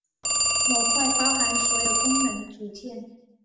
模块包含所有功能组件。